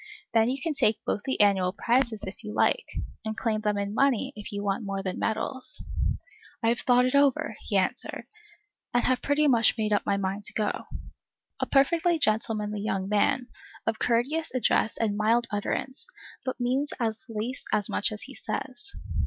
Then you can take both the annual prizes, if you like, and claim them in money, if you want that more than medals. I have thought it all over, he answered, and have pretty much made up my mind to go. A perfectly gentlemanly young man, of courteous address and mild utterance, but means at least as much as he says.